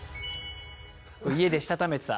「家でしたためてた？」